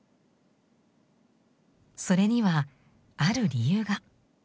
それにはある理由が。